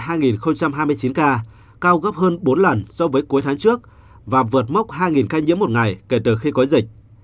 ca mắc mới là hai hai mươi chín ca cao gấp hơn bốn lần so với cuối tháng trước và vượt mốc hai ca nhiễm một ngày kể từ khi có dịch